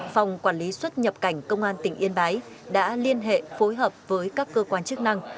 phòng quản lý xuất nhập cảnh công an tỉnh yên bái đã liên hệ phối hợp với các cơ quan chức năng